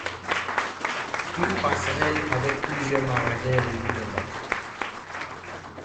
Une passerelle avec plusieurs magasins relie les bâtiments.